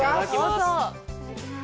いただきます。